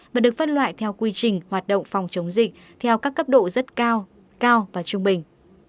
và được phân loại theo quy trình hoạt động phòng chống dịch theo các cấp độ rất cao cao và trung bình